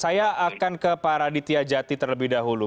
saya akan ke pak raditya jati terlebih dahulu